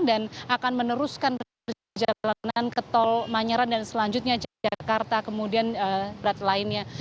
dan akan meneruskan perjalanan ke tol manyaran dan selanjutnya yogyakarta kemudian berat lainnya